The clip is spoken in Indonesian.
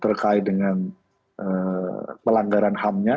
terkait dengan pelanggaran ham nya